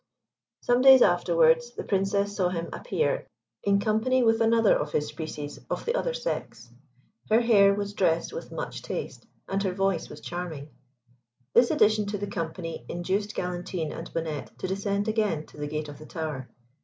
Some days afterwards, the Princess saw him appear in company with another of his species of the other sex. Her hair was dressed with much taste, and her voice was charming. This addition to the company induced Galantine and Bonnette to descend again to the gate of the tower.